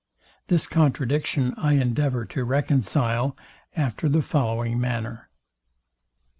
This contradiction I endeavour to reconcile, after the following manner.